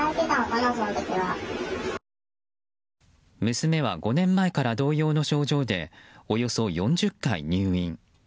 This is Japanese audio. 娘は５年前から同様の症状でおよそ４０回入院。